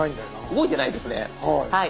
動いてないですね。